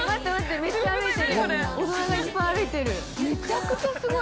◆めちゃくちゃすごい。